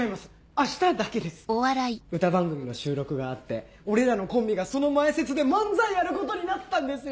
明日だけです歌番組の収録があって俺らのコンビがその前説で漫才やることになったんですよ！